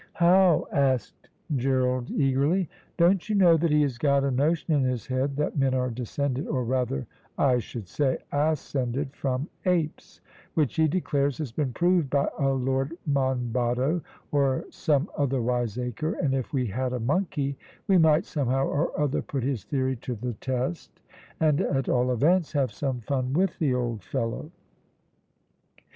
"How?" asked Gerald eagerly. "Don't you know that he has got a notion in his head that men are descended, or rather, I should say, ascended from apes, which he declares has been proved by a Lord Monboddo, or some other wiseacre, and if we had a monkey, we might somehow or other put his theory to the test, and, at all events, have some fun with the old fellow."